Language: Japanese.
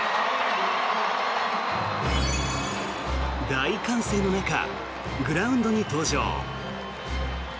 大歓声の中グラウンドに登場。